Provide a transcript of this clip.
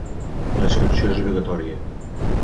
La inscripció és obligatòria.